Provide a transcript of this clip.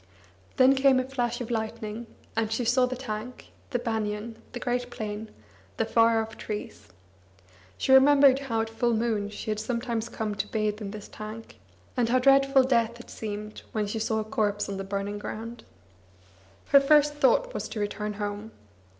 Then came a flash of lightning, and she saw the tank, the banian, the great plain, the far off trees. She remembered how at full moon she had sometimes come to bathe in this tank, and how dreadful death had seemed when she saw a corpse on the burning ground. Her first thought was to return home.